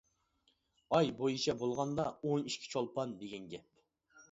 ئاي بويىچە بولغاندا ئون ئىككى چولپان دېگەن گەپ.